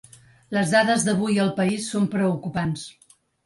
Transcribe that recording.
Les dades d’avui al país són preocupants.